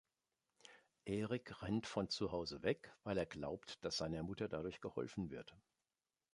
Erik rennt von zu Hause weg, weil er glaubt, dass seiner Mutter dadurch geholfen wird.